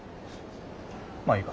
まあいいか。